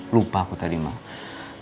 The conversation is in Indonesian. lupa aku tadi mbak